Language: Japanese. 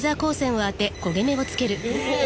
え！